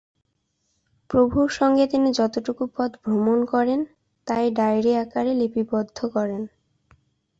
প্রভুর সঙ্গে তিনি যতটুকু পথ ভ্রমণ করেন, তাই ডায়েরি আকারে লিপিবদ্ধ করেন।